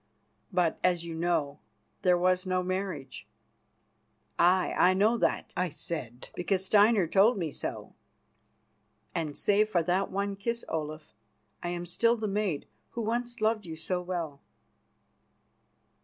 But, as you know, there was no marriage." "Aye, I know that," I said, "because Steinar told me so." "And, save for that one kiss, Olaf, I am still the maid whom once you loved so well."